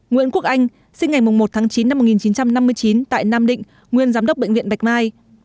nguyễn quốc anh sinh ngày một tháng chín năm một nghìn chín trăm năm mươi chín tại nam định nguyên giám đốc bệnh viện bạch mai